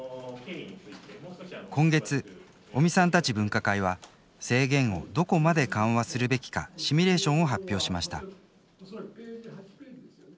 今月、尾身さんたち分科会は制限をどこまで緩和するべきかシミュレーションを発表しました。